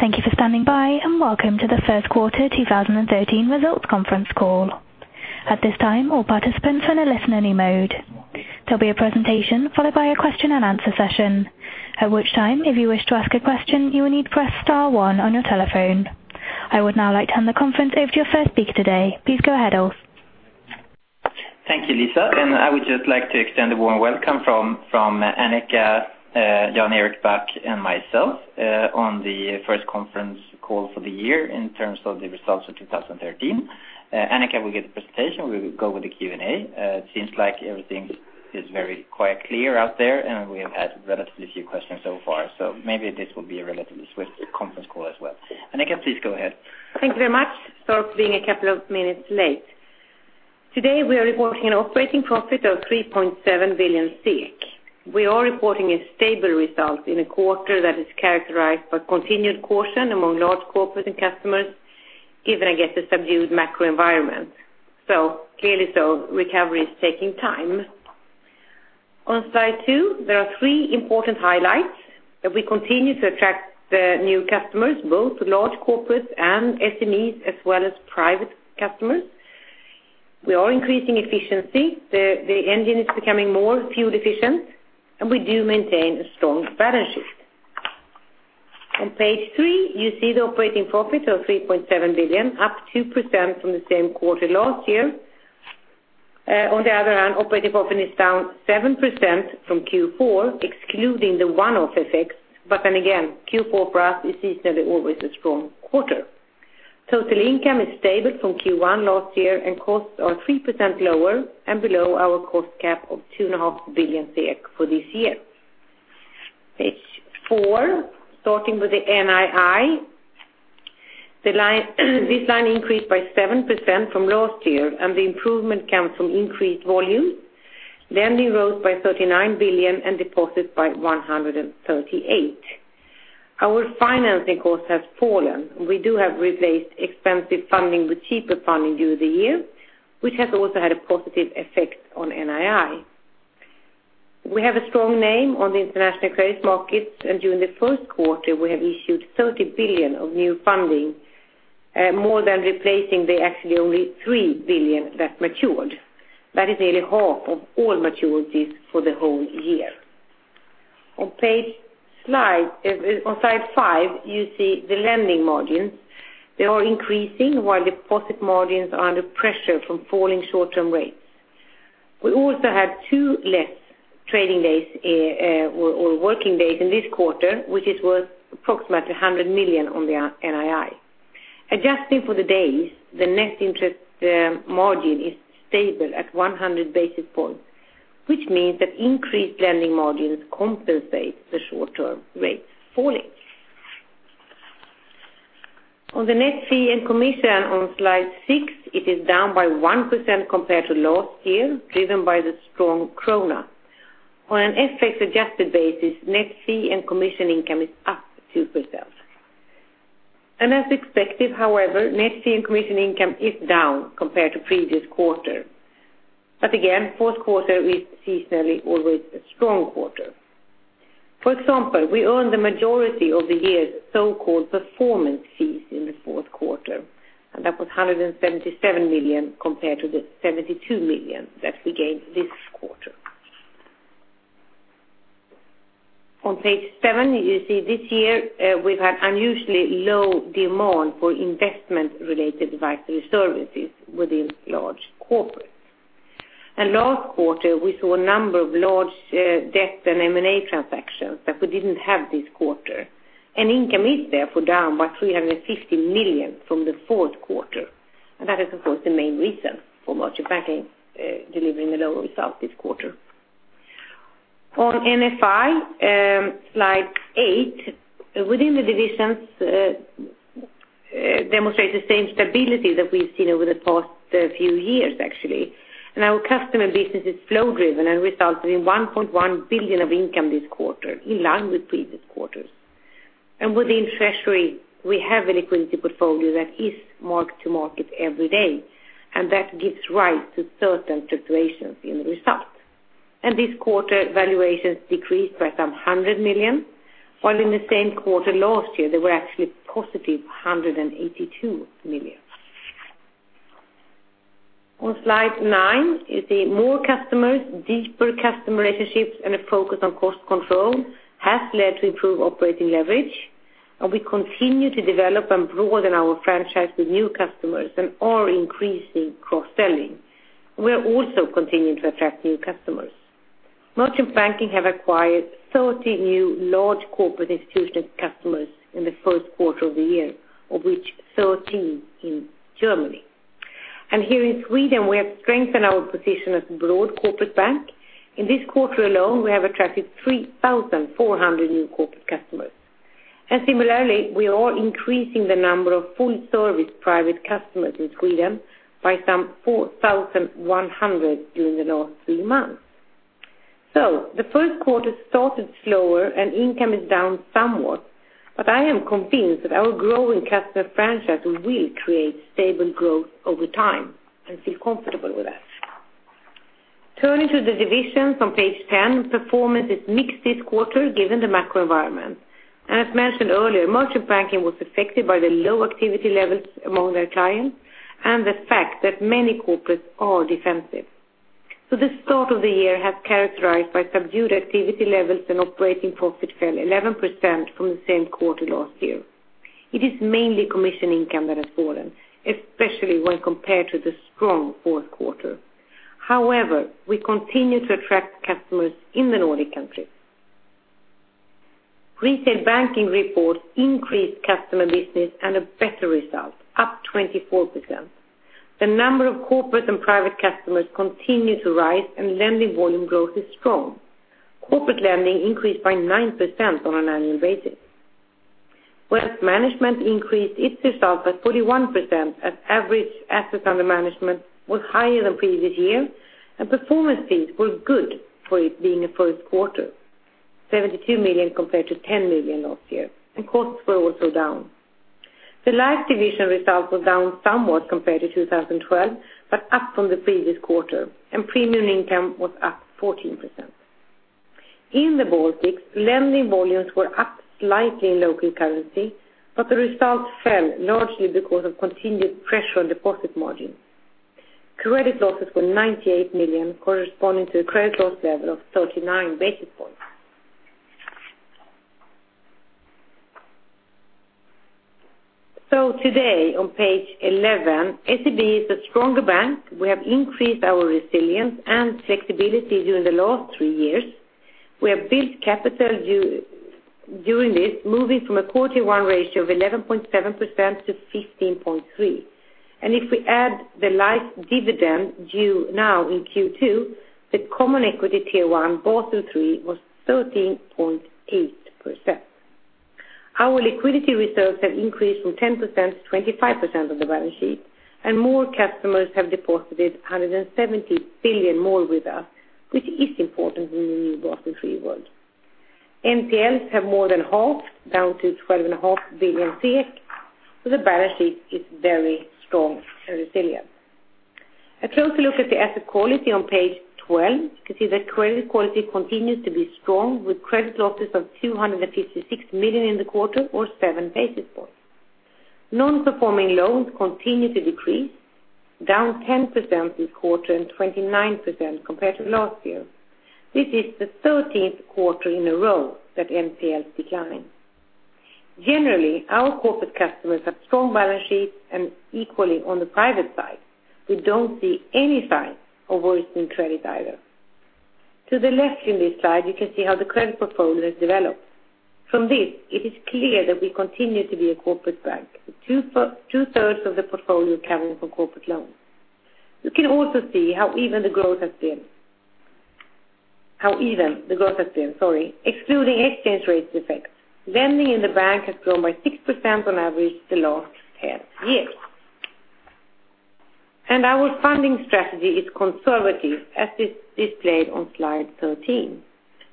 Thank you for standing by. Welcome to the first quarter 2013 results conference call. At this time, all participants are in a listen-only mode. There'll be a presentation followed by a question-and-answer session. At which time, if you wish to ask a question, you will need press star one on your telephone. I would now like to hand the conference over to your first speaker today. Please go ahead, Ulf. Thank you, Lisa. I would just like to extend a warm welcome from Annika, Jan Erik Back, and myself on the first conference call for the year in terms of the results of 2013. Annika will give the presentation. We will go with the Q&A. It seems like everything is very quite clear out there. We have had relatively few questions so far. Maybe this will be a relatively swift conference call as well. Annika, please go ahead. Thank you very much. Sorry for being a couple of minutes late. Today, we are reporting an operating profit of 3.7 billion. We are reporting a stable result in a quarter that is characterized by continued caution among large corporate and customers, given, I guess, the subdued macro environment. Clearly, recovery is taking time. On slide two, there are three important highlights. That we continue to attract the new customers, both large corporates and SMEs, as well as private customers. We are increasing efficiency. The engine is becoming more fuel efficient. We do maintain a strong balance sheet. On page three, you see the operating profit of 3.7 billion, up 2% from the same quarter last year. On the other hand, operating profit is down 7% from Q4, excluding the one-off effects. Then again, Q4 for us is seasonally always a strong quarter. Total income is stable from Q1 last year. Costs are 3% lower and below our cost cap of 22.5 billion for this year. Page four, starting with the NII. This line increased by 7% from last year. The improvement comes from increased volume. Lending rose by 39 billion and deposits by 138. Our financing cost has fallen. We do have replaced expensive funding with cheaper funding during the year, which has also had a positive effect on NII. We have a strong name on the international credit markets. During the first quarter we have issued 30 billion of new funding, more than replacing the actually only 3 billion that matured. That is nearly half of all maturities for the whole year. On slide five, you see the lending margins. They are increasing while deposit margins are under pressure from falling short-term rates. We also had two less trading days or working days in this quarter, which is worth approximately 100 million on the NII. Adjusting for the days, the net interest margin is stable at 100 basis points, which means that increased lending margins compensate the short-term rates falling. On the net fee and commission on slide six, it is down by 1% compared to last year, driven by the strong krona. On an FX adjusted basis, net fee and commission income is up 2%. As expected, however, net fee and commission income is down compared to previous quarter. Again, fourth quarter is seasonally always a strong quarter. For example, we earn the majority of the year's so-called performance fees in the fourth quarter, and that was 177 million compared to the 72 million that we gained this quarter. On page seven, you see this year we've had unusually low demand for investment related advisory services within large corporates. Last quarter we saw a number of large debt and M&A transactions that we didn't have this quarter, and income is therefore down by 350 million from the fourth quarter. That is, of course, the main reason for Merchant Banking delivering a lower result this quarter. On NFI, slide eight, within the divisions demonstrate the same stability that we've seen over the past few years, actually. Our customer business is flow driven and resulted in 1.1 billion of income this quarter, in line with previous quarters. Within treasury, we have an liquidity portfolio that is marked to market every day, and that gives rise to certain fluctuations in the result. This quarter valuations decreased by some 100 million, while in the same quarter last year, they were actually positive 182 million. On slide nine, you see more customers, deeper customer relationships, and a focus on cost control has led to improved operating leverage, and we continue to develop and broaden our franchise with new customers and are increasing cross-selling. We're also continuing to attract new customers. Merchant Banking have acquired 30 new large corporate institution customers in the first quarter of the year, of which 13 in Germany. Here in Sweden, we have strengthened our position as a broad corporate bank. In this quarter alone, we have attracted 3,400 new corporate customers. Similarly, we are increasing the number of full service private customers in Sweden by some 4,100 during the last three months. The first quarter started slower and income is down somewhat, but I am convinced that our growing customer franchise will create stable growth over time and feel comfortable with that. Turning to the division from page 10, performance is mixed this quarter given the macro environment. As mentioned earlier, Merchant Banking was affected by the low activity levels among their clients and the fact that many corporates are defensive. The start of the year has characterized by subdued activity levels and operating profit fell 11% from the same quarter last year. It is mainly commission income that has fallen, especially when compared to the strong fourth quarter. However, we continue to attract customers in the Nordic countries. Retail Banking reports increased customer business and a better result, up 24%. The number of corporate and private customers continue to rise and lending volume growth is strong. Corporate lending increased by 9% on an annual basis. Wealth Management increased its result by 41% as average assets under management was higher than previous year, and performance fees were good for it being a first quarter, 72 million compared to 10 million last year, and costs were also down. The Life division result was down somewhat compared to 2012, but up from the previous quarter, and premium income was up 14%. In the Baltics, lending volumes were up slightly in local currency, but the results fell largely because of continued pressure on deposit margin. Credit losses were 98 million, corresponding to a credit loss level of 39 basis points. Today on page 11, SEB is a stronger bank. We have increased our resilience and flexibility during the last three years. We have built capital during this, moving from a quarter one ratio of 11.7% to 15.3%. If we add the Life dividend due now in Q2, the Common Equity Tier 1 Basel III was 13.8%. Our liquidity reserves have increased from 10% to 25% of the balance sheet, and more customers have deposited 170 billion more with us, which is important in the new Basel III world. NPLs have more than halved, down to 12.5 billion SEK, the balance sheet is very strong and resilient. A closer look at the asset quality on page 12, you can see that credit quality continues to be strong with credit losses of 256 million in the quarter or seven basis points. Non-performing loans continue to decrease, down 10% this quarter and 29% compared to last year. This is the 13th quarter in a row that NPL is declining. Generally, our corporate customers have strong balance sheets and equally on the private side, we don't see any sign of worsening credit either. To the left in this slide, you can see how the credit portfolio has developed. From this, it is clear that we continue to be a corporate bank, with two-thirds of the portfolio coming from corporate loans. You can also see how even the growth has been. Excluding exchange rates effects, lending in the bank has grown by 6% on average the last 10 years. Our funding strategy is conservative as is displayed on slide 13.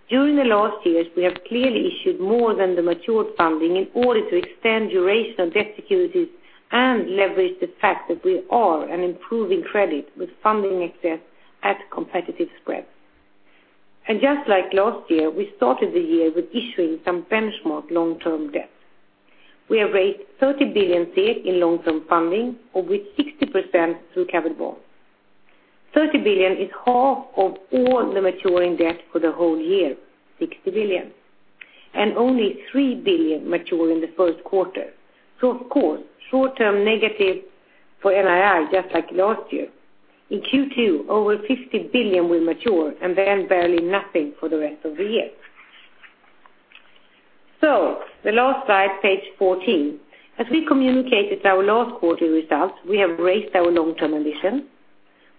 During the last years, we have clearly issued more than the matured funding in order to extend duration of debt securities and leverage the fact that we are an improving credit with funding excess at competitive spreads. Just like last year, we started the year with issuing some benchmark long-term debt. We have raised 30 billion in long-term funding, of which 60% through covered bonds. 30 billion is half of all the maturing debt for the whole year, 60 billion, and only 3 billion mature in the first quarter. Of course, short-term negative for NII just like last year. In Q2, over 50 billion will mature and then barely nothing for the rest of the year. The last slide, page 14. As we communicated our last quarterly results, we have raised our long-term ambition.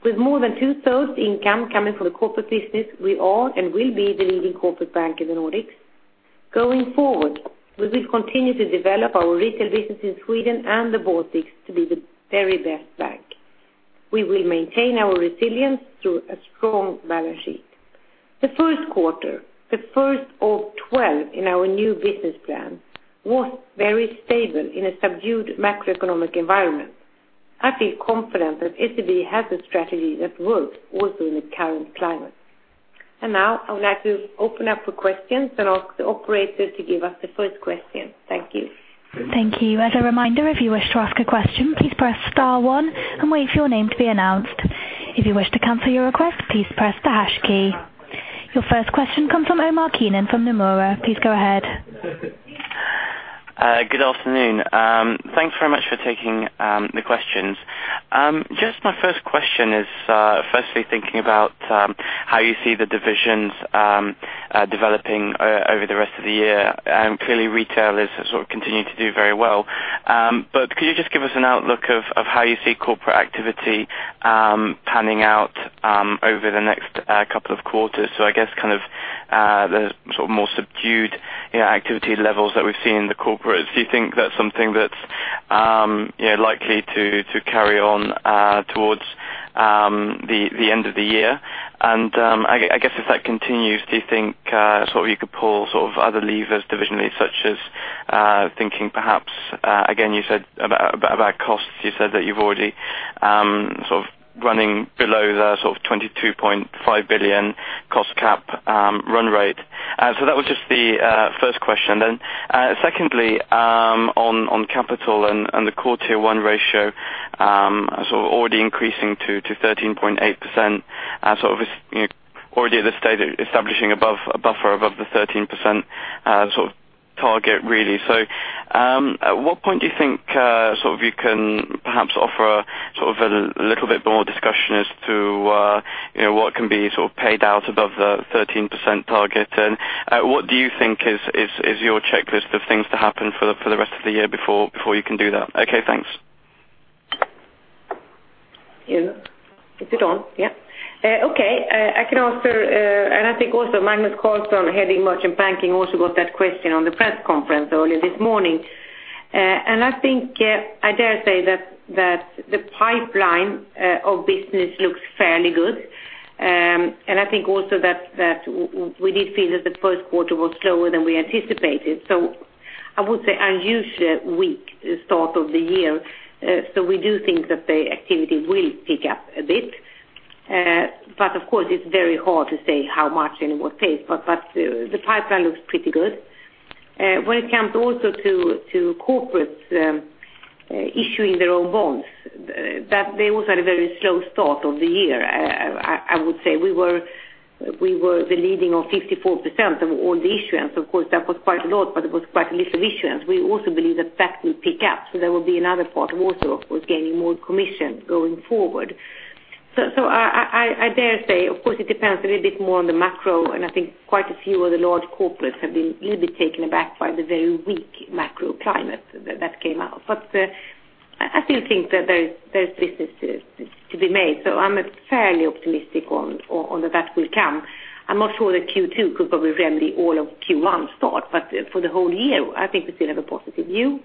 With more than two-thirds income coming from the corporate business we are and will be the leading corporate bank in the Nordics. Going forward, we will continue to develop our retail business in Sweden and the Baltics to be the very best bank. We will maintain our resilience through a strong balance sheet. The first quarter, the first of 12 in our new business plan, was very stable in a subdued macroeconomic environment. I feel confident that SEB has a strategy that works also in the current climate. Now I would like to open up for questions and ask the operator to give us the first question. Thank you. Thank you. As a reminder, if you wish to ask a question, please press star one and wait for your name to be announced. If you wish to cancel your request, please press the hash key. Your first question comes from Omar Keenan from Nomura. Please go ahead. Good afternoon. Thanks very much for taking the questions. My first question is firstly thinking about how you see the divisions developing over the rest of the year. Clearly Retail is continuing to do very well. Could you just give us an outlook of how you see corporate activity panning out over the next couple of quarters? I guess the more subdued activity levels that we've seen in the corporates. Do you think that's something that's likely to carry on towards the end of the year? I guess if that continues, do you think you could pull other levers divisionally such as Thinking perhaps, again, about costs, you said that you're already running below the 22.5 billion cost cap run rate. That was just the first question. Secondly, on capital and the core Tier 1 ratio, already increasing to 13.8%, already at this stage establishing a buffer above the 13% target, really. At what point do you think you can perhaps offer a little bit more discussion as to what can be paid out above the 13% target? What do you think is your checklist of things to happen for the rest of the year before you can do that? Okay, thanks. Is it on? Yeah. Okay. I can answer. I think also Magnus Carlsson, Head of Merchant Banking, also got that question on the press conference earlier this morning. I think, I dare say that the pipeline of business looks fairly good. I think also that we did feel that the first quarter was slower than we anticipated. I would say unusually weak start of the year. We do think that the activity will pick up a bit. Of course, it's very hard to say how much and what pace, but the pipeline looks pretty good. When it comes also to corporates issuing their own bonds, they also had a very slow start of the year, I would say. We were the leading on 54% of all the issuance. Of course, that was quite a lot, it was quite a little issuance. We also believe that will pick up, there will be another part also of gaining more commission going forward. I dare say, of course, it depends a little bit more on the macro. I think quite a few of the large corporates have been a little bit taken aback by the very weak macro climate that came out. I still think that there's business to be made. I'm fairly optimistic on that that will come. I'm not sure that Q2 could probably remedy all of Q1 start, for the whole year, I think we still have a positive view.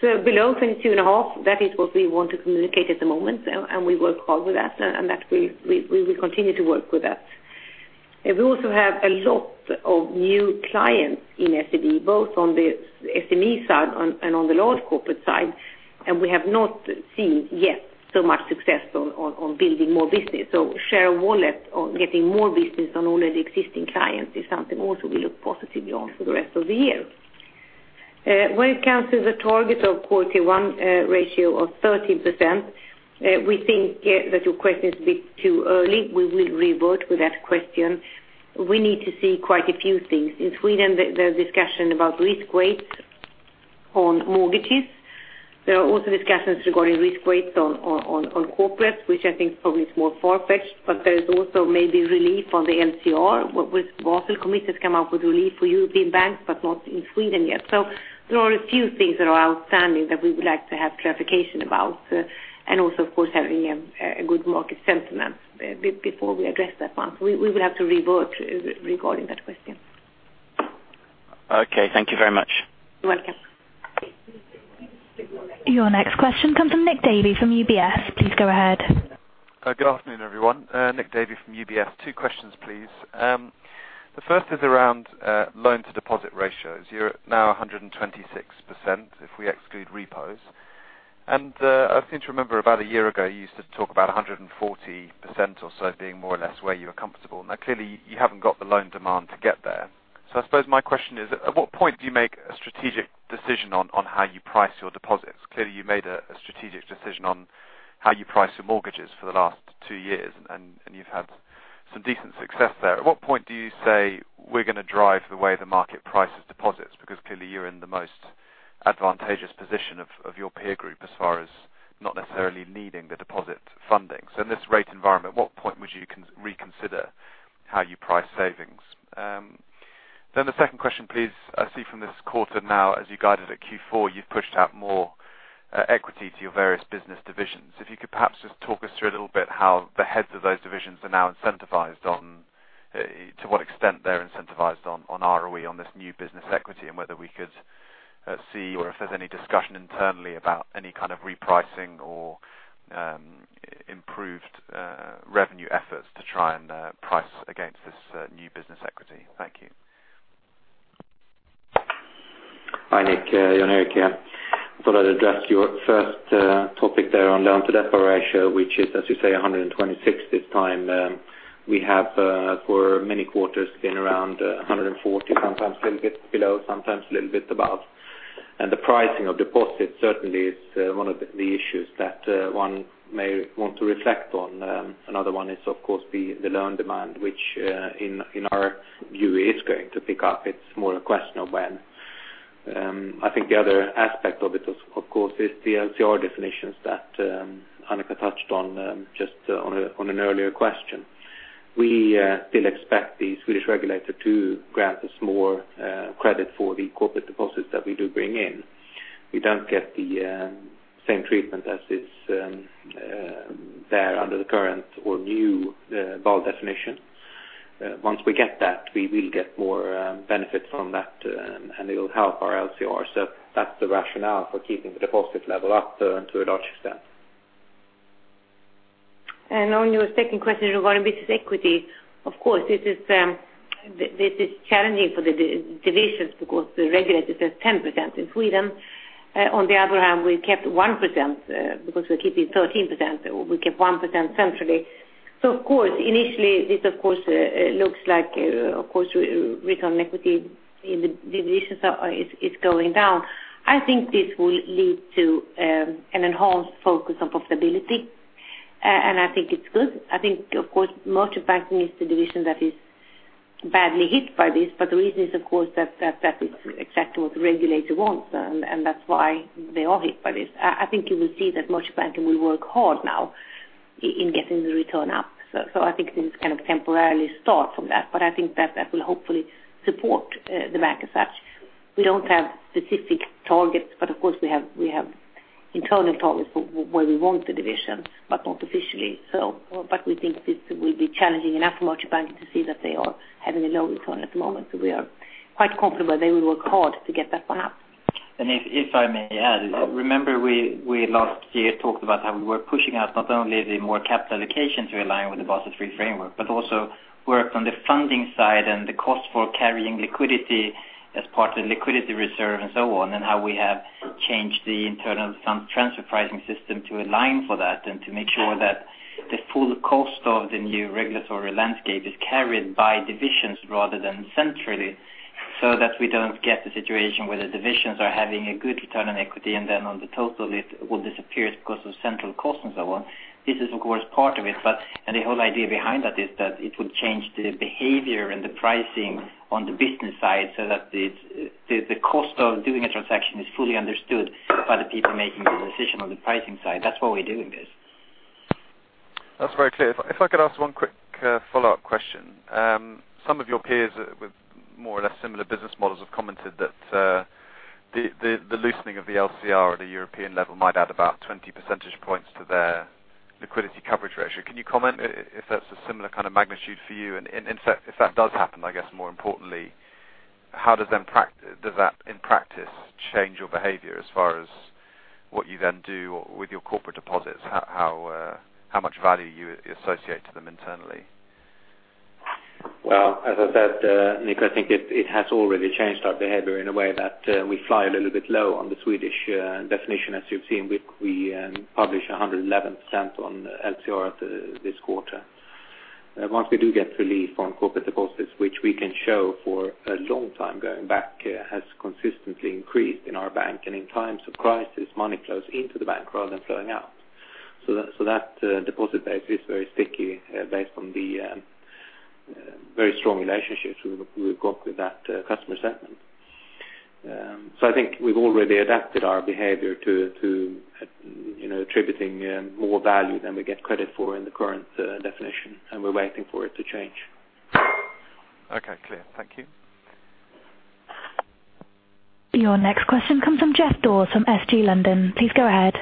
Costs below 22.5, that is what we want to communicate at the moment. We work hard with that we will continue to work with that. We also have a lot of new clients in SEB, both on the SME side on the large corporate side. We have not seen yet so much success on building more business. Share of wallet or getting more business on already existing clients is something also we look positively on for the rest of the year. When it comes to the target of Core Tier 1 ratio of 13%, we think that your question is a bit too early. We will revert with that question. We need to see quite a few things. In Sweden, there are discussions about risk weights on mortgages. There are also discussions regarding risk weights on corporates, which I think probably is more far-fetched, there is also maybe relief on the LCR. Basel Committee has come out with relief for European banks, not in Sweden yet. There are a few things that are outstanding that we would like to have clarification about. Also, of course, having a good market sentiment before we address that one. We will have to revert regarding that question. Okay, thank you very much. You're welcome. Your next question comes from Nicholas Davey from UBS. Please go ahead. Good afternoon, everyone. Nicholas Davey from UBS. Two questions, please. The first is around loan-to-deposit ratios. You're at now 126%, if we exclude repos. I seem to remember about a year ago, you used to talk about 140% or so being more or less where you were comfortable. Clearly you haven't got the loan demand to get there. I suppose my question is, at what point do you make a strategic decision on how you price your deposits? Clearly you made a strategic decision on how you price your mortgages for the last two years, and you've had some decent success there. At what point do you say we're going to drive the way the market prices deposits? Clearly you're in the most advantageous position of your peer group as far as not necessarily needing the deposit funding. In this rate environment, at what point would you reconsider how you price savings? The second question, please. I see from this quarter now, as you guided at Q4, you've pushed out more equity to your various business divisions. If you could perhaps just talk us through a little bit how the heads of those divisions are now incentivized on, to what extent they're incentivized on ROE on this new business equity, and whether we could see or if there's any discussion internally about any kind of repricing or improved revenue efforts to try and price against this new business equity. Thank you. Hi, Nick. Jan Erik here. I thought I'd address your first topic there on loan-to-deposit ratio, which is, as you say, 126 this time. We have for many quarters been around 140, sometimes a little bit below, sometimes a little bit above. The pricing of deposits certainly is one of the issues that one may want to reflect on. Another one is, of course, the loan demand, which in our view is going to pick up. It's more a question of when. I think the other aspect of it, of course, is the LCR definitions that Annika touched on just on an earlier question. We still expect the Swedish regulator to grant us more credit for the corporate deposits that we do bring in. We don't get the same treatment as is there under the current or new Basel definition. Once we get that, we will get more benefits from that, and it will help our LCR. That's the rationale for keeping the deposit level up to a large extent. On your second question regarding business equity, of course, this is challenging for the divisions because the regulator says 10% in Sweden. On the other hand, we kept 1% because we're keeping 13%, we kept 1% centrally. Initially, this looks like return on equity in the divisions is going down. I think this will lead to an enhanced focus on profitability, and I think it's good. I think Merchant Banking is the division that is badly hit by this, but the reason is that it's exactly what the regulator wants, and that's why they are hit by this. I think you will see that Merchant Banking will work hard now in getting the return up. I think this temporarily start from that, but I think that will hopefully support the bank as such. We don't have specific targets, but of course we have internal targets for where we want the divisions, but not officially. We think this will be challenging enough for Merchant Banking to see that they are having a low return at the moment. We are quite confident they will work hard to get that one up. If I may add, remember we last year talked about how we were pushing out not only the more capital allocation to align with the Basel III framework, but also work on the funding side and the cost for carrying liquidity as part of the liquidity reserve and so on, and how we have changed the internal fund transfer pricing system to align for that and to make sure that the full cost of the new regulatory landscape is carried by divisions rather than centrally, so that we don't get the situation where the divisions are having a good return on equity, and then on the total list will disappear because of central cost and so on. This is of course part of it. The whole idea behind that is that it would change the behavior and the pricing on the business side so that the cost of doing a transaction is fully understood by the people making the decision on the pricing side. That's why we're doing this. That's very clear. If I could ask one quick follow-up question. Some of your peers with more or less similar business models have commented that the loosening of the LCR at a European level might add about 20 percentage points to their liquidity coverage ratio. Can you comment if that's a similar kind of magnitude for you? If that does happen, I guess more importantly, how does that, in practice, change your behavior as far as what you then do with your corporate deposits? How much value you associate to them internally? Well, as I said, Nick, I think it has already changed our behavior in a way that we fly a little bit low on the Swedish definition. As you've seen, we published 111% on LCR this quarter. Once we do get relief on corporate deposits, which we can show for a long time going back, has consistently increased in our bank. In times of crisis, money flows into the bank rather than flowing out. That deposit base is very sticky based on the very strong relationships we've got with that customer segment. I think we've already adapted our behavior to attributing more value than we get credit for in the current definition, and we're waiting for it to change. Okay, clear. Thank you. Your next question comes from Geff Dowes from SG London. Please go ahead.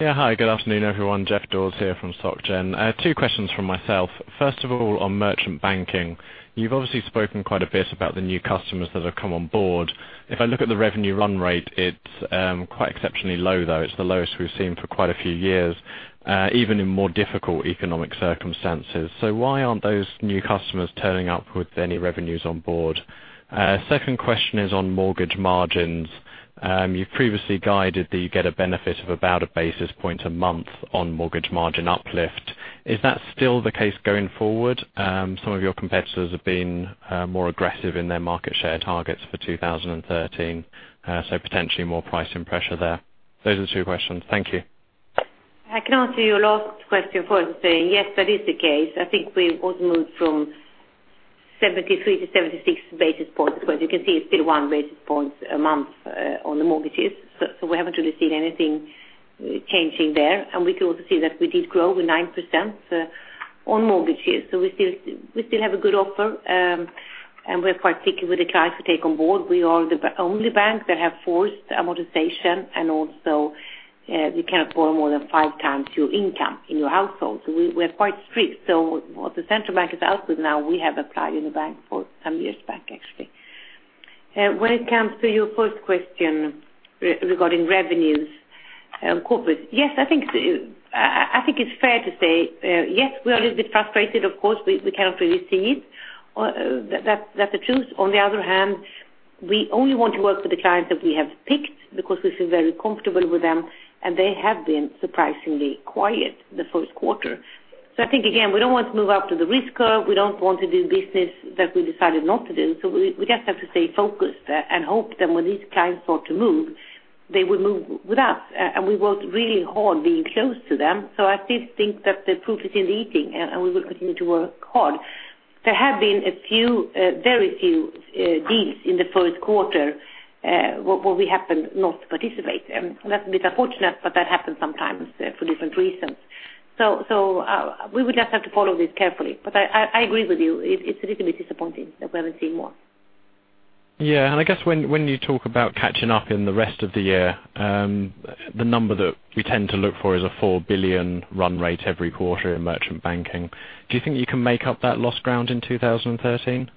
Yeah, hi. Good afternoon, everyone. Jeff D'Orazio here from SocGen. I have two questions from myself. First of all, on Merchant Banking, you've obviously spoken quite a bit about the new customers that have come on board. If I look at the revenue run rate, it's quite exceptionally low, though. It's the lowest we've seen for quite a few years, even in more difficult economic circumstances. Why aren't those new customers turning up with any revenues on board? Second question is on mortgage margins. You've previously guided that you get a benefit of about a basis point a month on mortgage margin uplift. Is that still the case going forward? Some of your competitors have been more aggressive in their market share targets for 2013, potentially more pricing pressure there. Those are the two questions. Thank you. I can answer your last question first saying, yes, that is the case. I think we've also moved from 73 to 76 basis points, but you can see it's still one basis point a month on the mortgages. We haven't really seen anything changing there. We could also see that we did grow with 9% on mortgages. We still have a good offer, and we're quite picky with the clients we take on board. We are the only bank that have forced amortization, and also you cannot borrow more than five times your income in your household. We're quite strict. What the Central Bank has output now, we have applied in the bank for some years back actually. When it comes to your first question regarding revenues, corporate. I think it's fair to say, yes, we are a little bit frustrated, of course, we cannot really see it. That's the truth. On the other hand, we only want to work with the clients that we have picked because we feel very comfortable with them, and they have been surprisingly quiet the first quarter. I think, again, we don't want to move up to the risk curve. We don't want to do business that we decided not to do. We just have to stay focused and hope that when these clients want to move, they will move with us. We worked really hard being close to them. I still think that the proof is in the eating, and we will continue to work hard. There have been a very few deals in the first quarter where we happened not to participate. That's a bit unfortunate, but that happens sometimes for different reasons. We will just have to follow this carefully. I agree with you, it's a little bit disappointing that we haven't seen more. Yeah. I guess when you talk about catching up in the rest of the year, the number that we tend to look for is a 4 billion run rate every quarter in Merchant Banking. Do you think you can make up that lost ground in 2013?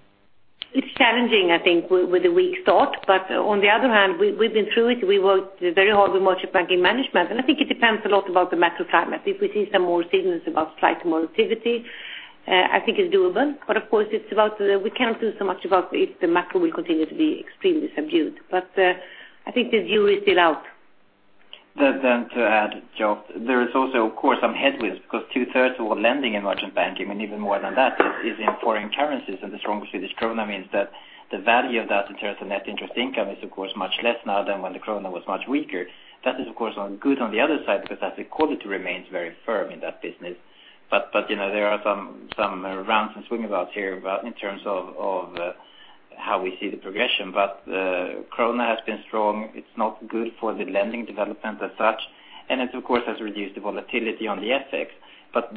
It's challenging, I think, with the weak start. On the other hand, we've been through it. We worked very hard with Merchant Banking management, I think it depends a lot about the macro climate. If we see some more signals about slight more activity, I think it's doable. Of course, we cannot do so much about if the macro will continue to be extremely subdued. I think the view is still out. To add, there is also, of course, some headwinds because two-thirds of all lending in Merchant Banking, and even more than that, is in foreign currencies, and the strong Swedish krona means that the value of that in terms of Net Interest Income is, of course, much less now than when the krona was much weaker. That is, of course, good on the other side because that's the quality remains very firm in that business. There are some rounds and swing abouts here in terms of how we see the progression. The krona has been strong. It's not good for the lending development as such, and it, of course, has reduced the volatility on the FX.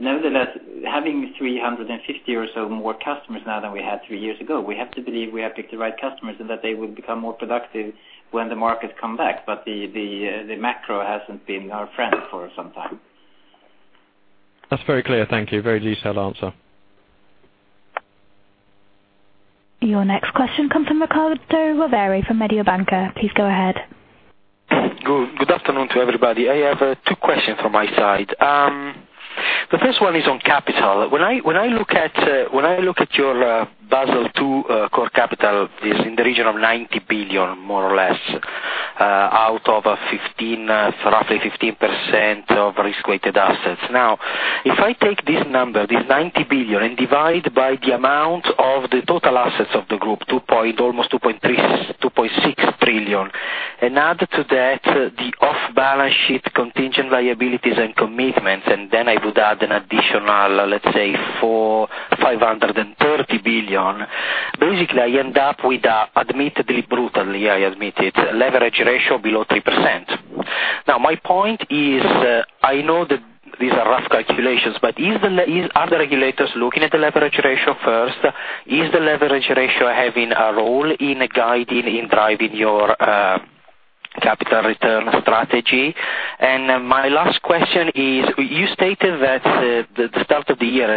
Nevertheless, having 350 or so more customers now than we had three years ago, we have to believe we have picked the right customers and that they will become more productive when the markets come back. The macro hasn't been our friend for some time. That's very clear. Thank you. Very detailed answer. Your next question comes from Riccardo Rovere from Mediobanca. Please go ahead. Good afternoon to everybody. I have two questions from my side. The first one is on capital. When I look at your Basel II core capital, it's in the region of 90 billion, more or less, out of roughly 15% of risk-weighted assets. If I take this number, this 90 billion, and divide by the amount of the total assets of the group, almost 2.6 trillion, and add to that the off-balance sheet contingent liabilities and commitments, then I would add an additional, let's say 530 billion, basically, I end up with admittedly brutally, I admit it, leverage ratio below 3%. My point is, I know that these are rough calculations, are the regulators looking at the leverage ratio first? Is the leverage ratio having a role in guiding, in driving your capital return strategy? My last question is, you stated that the start of the year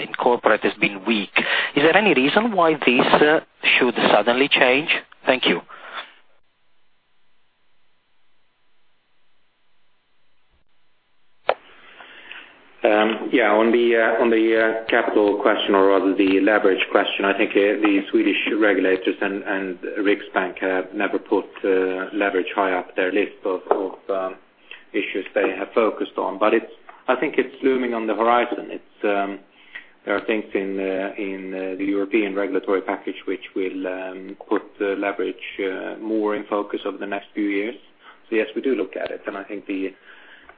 in corporate has been weak. Is there any reason why this should suddenly change? Thank you. On the capital question or rather the leverage question, I think the Swedish regulators and Riksbank have never put leverage high up their list of issues they have focused on. I think it's looming on the horizon. There are things in the European regulatory package which will put leverage more in focus over the next few years. Yes, we do look at it. I think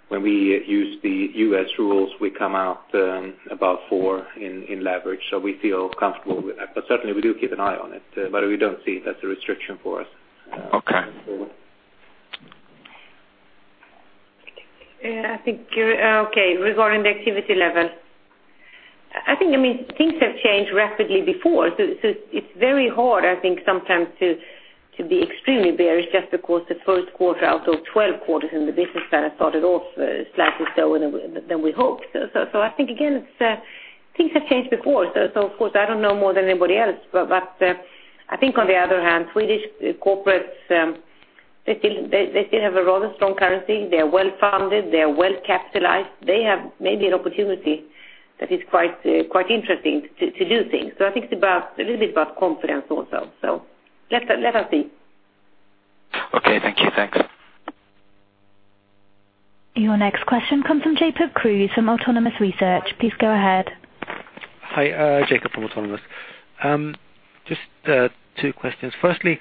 when we use the U.S. rules, we come out about four in leverage, we feel comfortable with that. Certainly, we do keep an eye on it, we don't see it as a restriction for us. Okay. Regarding the activity level. I think things have changed rapidly before, it's very hard, I think, sometimes to be extremely bearish just because the first quarter out of 12 quarters in the business plan started off slightly slower than we hoped. I think, again, things have changed before. Of course, I don't know more than anybody else. I think on the other hand, Swedish corporates, they still have a rather strong currency. They are well-funded. They are well-capitalized. They have maybe an opportunity that is quite interesting to do things. I think it's a little bit about confidence also. Let us see. Okay. Thank you. Thanks. Your next question comes from Jacob Kruse from Autonomous Research. Please go ahead. Hi. Jacob from Autonomous. Just two questions. Firstly,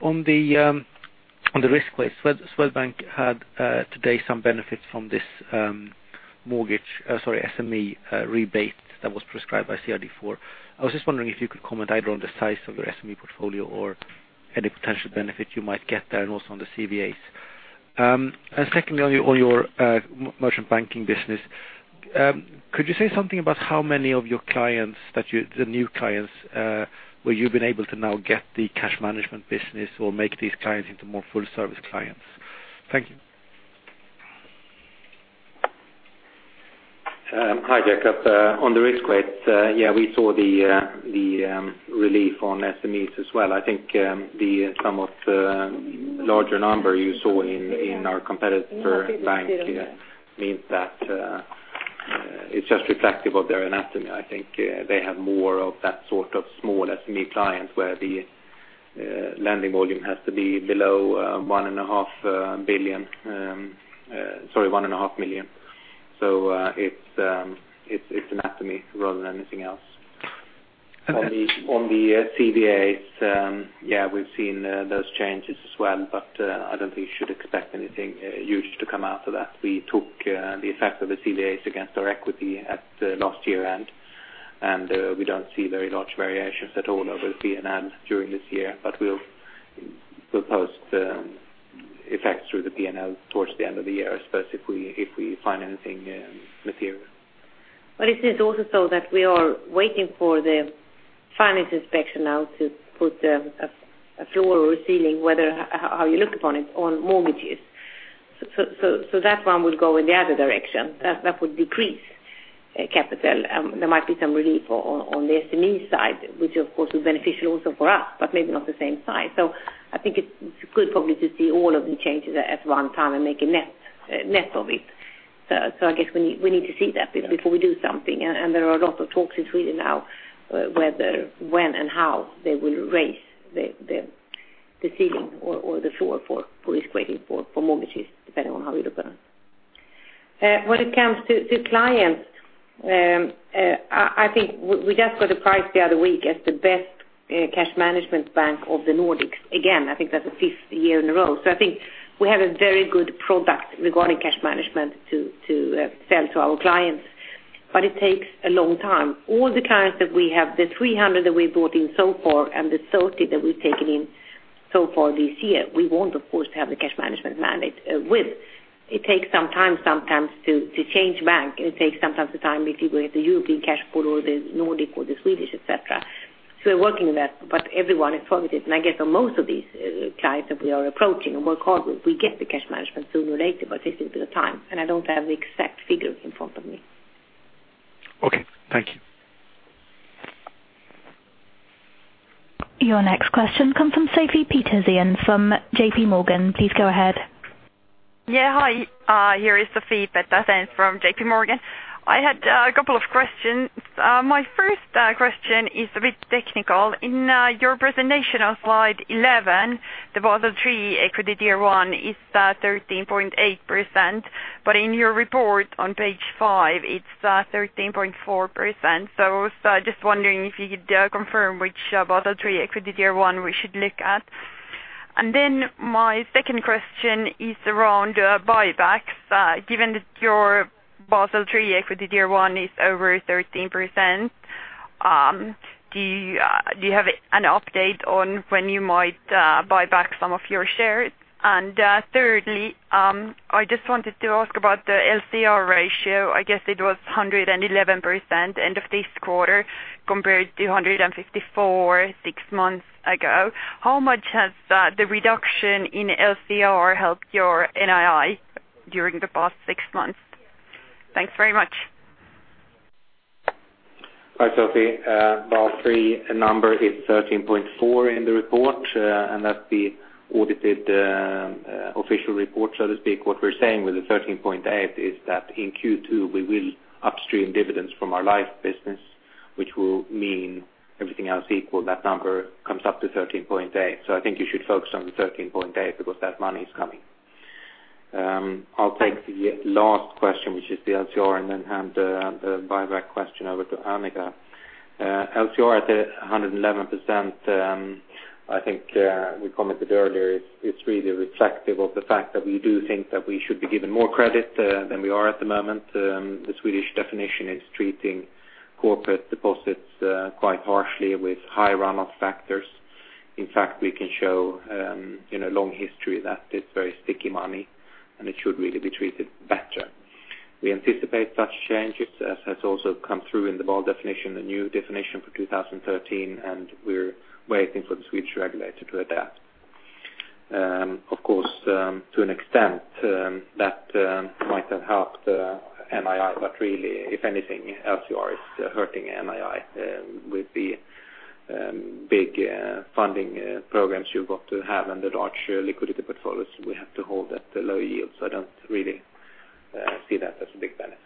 on the risk weight, Swedbank had today some benefit from this SME rebate that was prescribed by CRD4. I was just wondering if you could comment either on the size of your SME portfolio or any potential benefit you might get there and also on the CVAs. Secondly, on your Merchant Banking business, could you say something about how many of your clients, the new clients where you've been able to now get the cash management business or make these clients into more full service clients? Thank you. Hi, Jacob. On the risk weight, we saw the relief on SMEs as well. I think the sum of larger number you saw in our competitor bank means that it's just reflective of their anatomy. I think they have more of that sort of small SME client, where the lending volume has to be below one and a half billion, sorry, one and a half million. It's anatomy rather than anything else. On the CVAs, we've seen those changes as well, I don't think you should expect anything huge to come out of that. We took the effect of the CVAs against our equity at last year-end, we don't see very large variations at all over P&L during this year, we'll post effects through the P&L towards the end of the year, I suppose, if we find anything material. It is also so that we are waiting for the Finansinspektionen now to put a floor or a ceiling, how you look upon it, on mortgages. That one would go in the other direction. That would decrease capital. There might be some relief on the SME side, which of course, would beneficial also for us, but maybe not the same side. I think it's good probably to see all of the changes at one time and make a net of it. I guess we need to see that before we do something, there are a lot of talks in Sweden now whether when and how they will raise the ceiling or the floor for risk rating for mortgages, depending on how you look at it. When it comes to clients, I think we just got a prize the other week as the best cash management bank of the Nordics. Again, I think that's the fifth year in a row. I think we have a very good product regarding cash management to sell to our clients. It takes a long time. All the clients that we have, the 300 that we've brought in so far, and the 30 that we've taken in so far this year, we want, of course, to have the cash management mandate with. It takes some time sometimes to change bank. It takes sometimes the time if you go to the European cash pool or the Nordic or the Swedish, et cetera. We're working on that, but everyone is targeted. I guess on most of these clients that we are approaching and work hard with, we get the cash management sooner or later, it takes a bit of time, I don't have the exact figure in front of me. Okay. Thank you. Your next question comes from Sofie Peterzens from JP Morgan. Please go ahead. Hi. Here is Sofie Peterzens from JP Morgan. I had a couple of questions. My first question is a bit technical. In your presentation on slide 11, the Basel III Equity Tier 1 is 13.8%, but in your report on page five, it's 13.4%. Just wondering if you could confirm which Basel III Equity Tier 1 we should look at. My second question is around buybacks. Given that your Basel III Equity Tier 1 is over 13%, do you have an update on when you might buy back some of your shares? Thirdly, I just wanted to ask about the LCR ratio. I guess it was 111% end of this quarter compared to 154% six months ago. How much has the reduction in LCR helped your NII during the past six months? Thanks very much. Hi, Sofie. Basel III number is 13.4 in the report, that's the audited official report, so to speak. What we're saying with the 13.8 is that in Q2, we will upstream dividends from our Life business, which will mean everything else equal, that number comes up to 13.8. I think you should focus on the 13.8 because that money is coming. I'll take the last question, which is the LCR, hand the buyback question over to Annika. LCR at 111%, I think we commented earlier, it's really reflective of the fact that we do think that we should be given more credit than we are at the moment. The Swedish definition is treating corporate deposits quite harshly with high runoff factors. In fact, we can show a long history that it's very sticky money, and it should really be treated better. We anticipate such changes, as has also come through in the Basel definition, the new definition for 2013, and we're waiting for the Swedish regulator to adapt. Of course, to an extent, that might have helped NII, but really, if anything, LCR is hurting NII with the big funding programs you've got to have and the large liquidity portfolios we have to hold at the low yields. I don't really see that as a big benefit.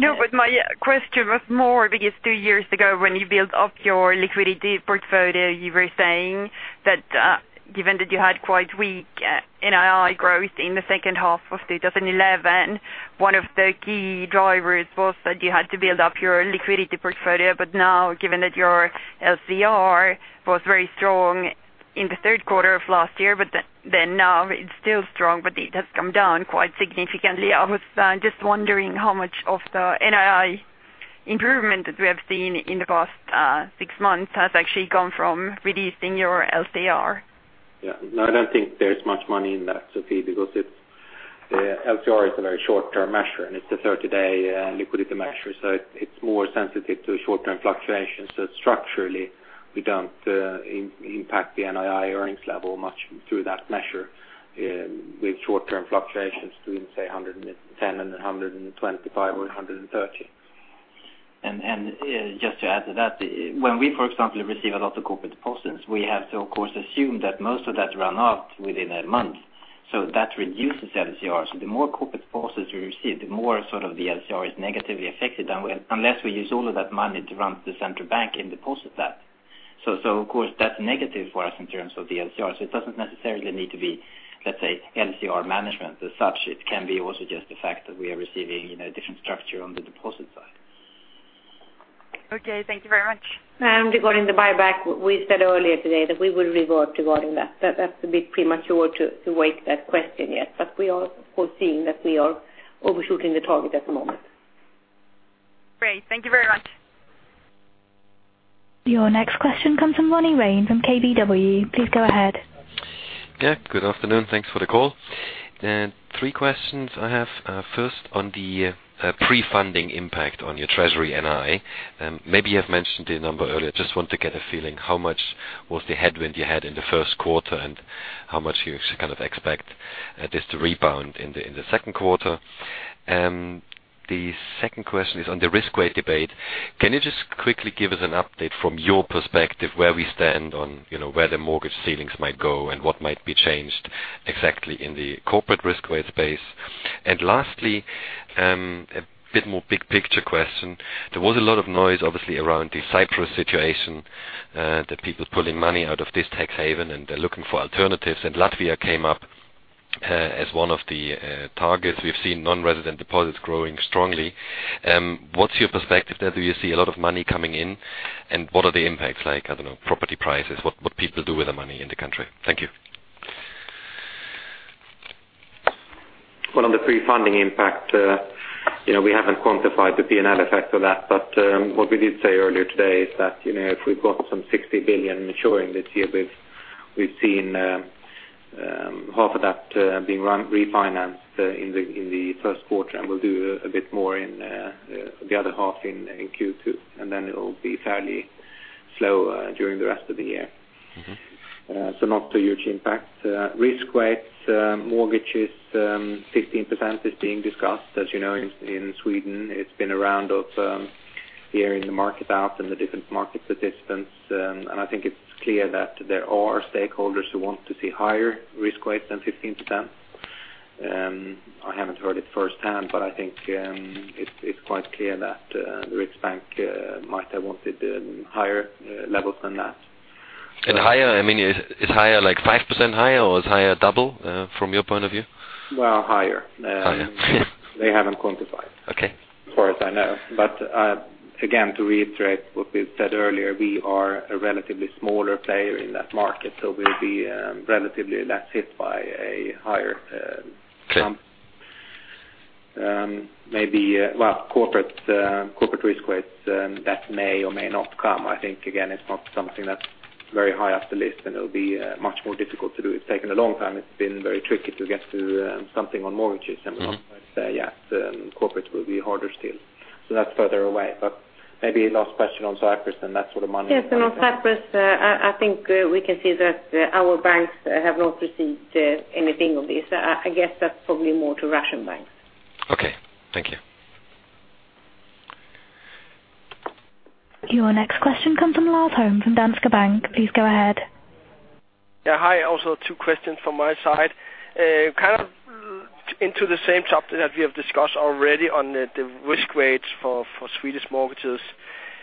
My question was more because two years ago when you built up your liquidity portfolio, you were saying that given that you had quite weak NII growth in the second half of 2011, one of the key drivers was that you had to build up your liquidity portfolio. Now, given that your LCR was very strong in the third quarter of last year, it's still strong, but it has come down quite significantly. I was just wondering how much of the NII improvement that we have seen in the past six months has actually come from releasing your LCR. I don't think there's much money in that, Sofie, because LCR is a very short-term measure, and it's a 30-day liquidity measure, it's more sensitive to short-term fluctuations. Structurally, we don't impact the NII earnings level much through that measure with short-term fluctuations between, say, 110 and 125 or 130. Just to add to that, when we, for example, receive a lot of corporate deposits, we have to, of course, assume that most of that run out within a month. That reduces LCR. The more corporate deposits we receive, the more the LCR is negatively affected unless we use all of that money to run the central bank and deposit that. Of course, that's negative for us in terms of the LCR. It doesn't necessarily need to be, let's say, LCR management as such. It can be also just the fact that we are receiving a different structure on the deposit side. Okay. Thank you very much. Regarding the buyback, we said earlier today that we will revert regarding that. That's a bit premature to weigh that question yet. We are, of course, seeing that we are overshooting the target at the moment. Great. Thank you very much. Your next question comes from Ronny Rehn from KBW. Please go ahead. Yeah. Good afternoon. Thanks for the call. Three questions I have. First, on the pre-funding impact on your treasury NII. Maybe you have mentioned the number earlier. Just want to get a feeling how much was the headwind you had in the first quarter and how much you expect this to rebound in the second quarter. The second question is on the risk weight debate. Can you just quickly give us an update from your perspective, where we stand on where the mortgage ceilings might go and what might be changed exactly in the corporate risk weight space? Lastly, a bit more big picture question. There was a lot of noise obviously around the Cyprus situation, the people pulling money out of this tax haven, and they're looking for alternatives, and Latvia came up as one of the targets. We've seen non-resident deposits growing strongly. What's your perspective there? Do you see a lot of money coming in? What are the impacts like, I don't know, property prices, what people do with the money in the country? Thank you. Well, on the pre-funding impact, we haven't quantified the P&L effect of that. What we did say earlier today is that, if we've got some 60 billion maturing this year, we've seen half of that being refinanced in the first quarter, and we'll do a bit more in the other half in Q2, and then it'll be fairly slow during the rest of the year. Not a huge impact. Risk weights, mortgages, 15% is being discussed. As you know, in Sweden, it's been a round of hearing the market out and the different market participants, and I think it's clear that there are stakeholders who want to see higher risk weight than 15%. I haven't heard it firsthand, but I think it's quite clear that the Riksbank might have wanted higher levels than that. Higher, is higher like 5% higher, or is higher double from your point of view? Well, higher. Higher. They haven't quantified. Okay As far as I know. Again, to reiterate what we said earlier, we are a relatively smaller player in that market, so we'll be relatively less hit by a higher. Okay Well, corporate risk weights, that may or may not come. I think, again, it's not something that's very high up the list, and it'll be much more difficult to do. It's taken a long time. It's been very tricky to get to something on mortgages- I would say, yes, corporate will be harder still. That's further away. Maybe last question on Cyprus, that's sort of money- Yes, on Cyprus, I think we can see that our banks have not received anything of this. I guess that's probably more to Russian banks. Okay, thank you. Your next question comes from Lars Holm from Danske Bank. Please go ahead. Yeah, hi. Also two questions from my side. Kind of into the same topic that we have discussed already on the risk weights for Swedish mortgages.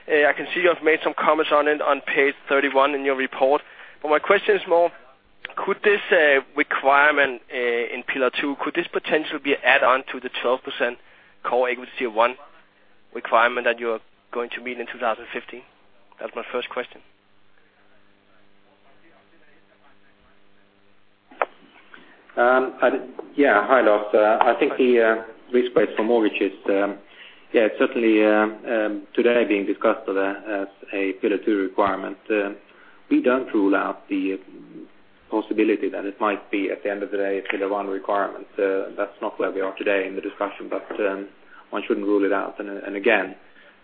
I can see you have made some comments on it on page 31 in your report. My question is more, could this requirement in Pillar 2, could this potentially be add-on to the 12% Common Equity Tier 1 requirement that you are going to meet in 2015? That was my first question. Yeah. Hi, Lars. I think the risk weights for mortgages, yeah, it's certainly today being discussed as a Pillar 2 requirement. We don't rule out the possibility that it might be, at the end of the day, a Pillar 1 requirement. That's not where we are today in the discussion, but one shouldn't rule it out. Again,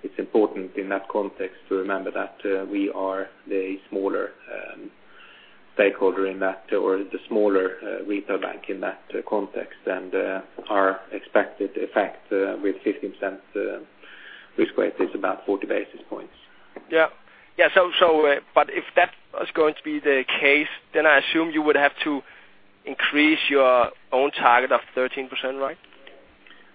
it's important in that context to remember that we are the smaller stakeholder in that, or the smaller retail bank in that context, and our expected effect with 15% risk weight is about 40 basis points. Yeah. If that was going to be the case, I assume you would have to increase your own target of 13%, right?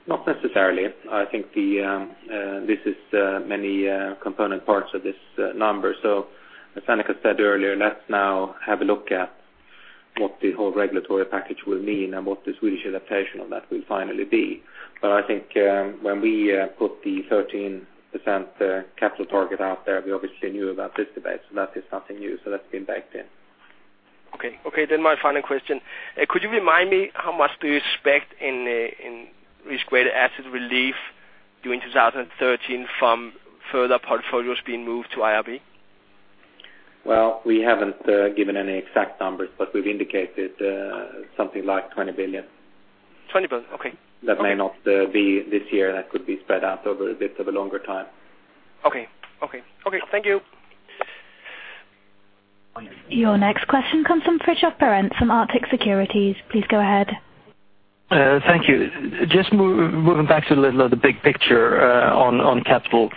Not necessarily. I think this is many component parts of this number. As Annika said earlier, let's now have a look at what the whole regulatory package will mean and what the Swedish adaptation of that will finally be. I think when we put the 13% capital target out there, we obviously knew about this debate, that is nothing new. That's been baked in. Okay. My final question. Could you remind me how much do you expect in risk-weighted asset relief during 2013 from further portfolios being moved to IRB? Well, we haven't given any exact numbers, we've indicated something like 20 billion. 20 billion? Okay. That may not be this year. That could be spread out over a bit of a longer time. Okay. Thank you. Your next question comes from Fridtjof Berents from Arctic Securities. Please go ahead. Thank you. Just moving back to a little of the big picture on capital.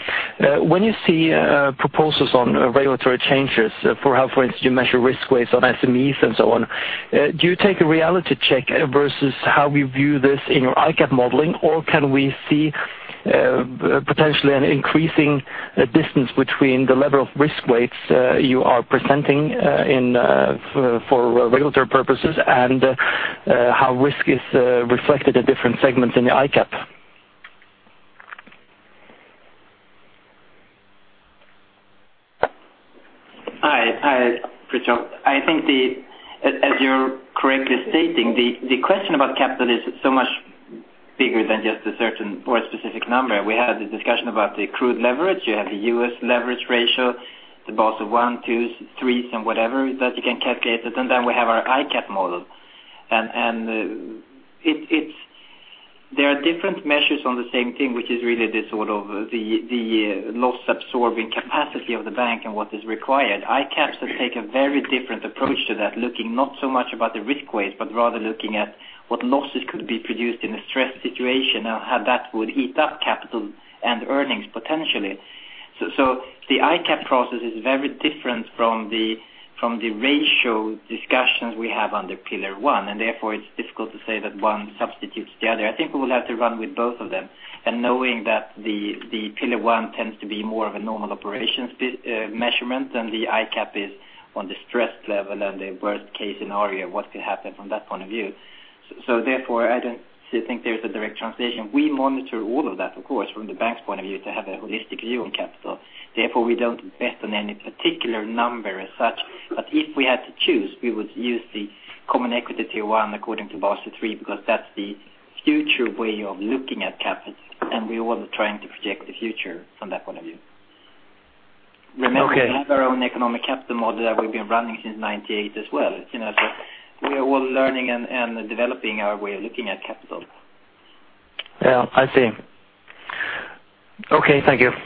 When you see proposals on regulatory changes for how, for instance, you measure risk weights on SMEs and so on, do you take a reality check versus how we view this in your ICAP modeling, or can we see potentially an increasing distance between the level of risk weights you are presenting for regulatory purposes and how risk is reflected at different segments in the ICAP? Hi, Fridtjof. I think as you're correctly stating, the question about capital is so much bigger than just a certain or a specific number. We had the discussion about the accrued leverage. You have the U.S. leverage ratio, the Basel I, II, III, and whatever that you can calculate. We have our ICAP model. There are different measures on the same thing, which is really the loss-absorbing capacity of the bank and what is required. ICAP take a very different approach to that, looking not so much about the risk weight, but rather looking at what losses could be produced in a stress situation and how that would eat up capital and earnings potentially. The ICAP process is very different from the ratio discussions we have under Pillar 1, and therefore it's difficult to say that one substitutes the other. I think we will have to run with both of them, and knowing that the Pillar 1 tends to be more of a normal operations measurement and the ICAP is on the stress level and the worst-case scenario, what could happen from that point of view. Therefore, I don't think there's a direct translation. We monitor all of that, of course, from the bank's point of view to have a holistic view on capital. Therefore, we don't bet on any particular number as such, but if we had to choose, we would use the Common Equity Tier 1 according to Basel III, because that's the future way of looking at capital, and we're always trying to project the future from that point of view. Okay. Remember, we have our own economic capital model that we've been running since 1998 as well. We are all learning and developing our way of looking at capital. Yeah. I see. Okay. Thank you.